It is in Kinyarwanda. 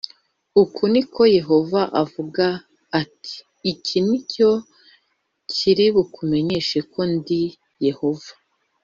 uku ni ko yehova avuga d ati iki ni cyo kiri bukumenyeshe ko ndi yehova